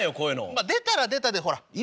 まあ出たら出たでほら今